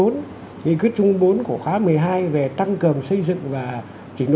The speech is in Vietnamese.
nghị quyết chống bốn của khóa một mươi hai về tăng cường xây dựng và truyền thống